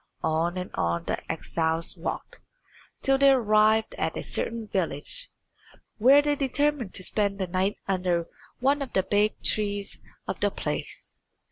On and on the exiles walked, till they arrived at a certain village, where they determined to spend the night under one of the big trees of the place.